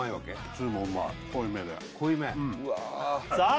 つゆもうまい濃いめで濃いめさあ